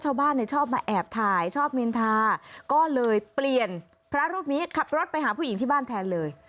ชาวบ้านเนี่ยชอบมาแอบถ่ายชอบนินทาก็เลยเปลี่ยนพระรูปนี้ขับรถไปหาผู้หญิงที่บ้านแทนเลย